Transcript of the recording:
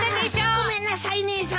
あごめんなさい姉さん。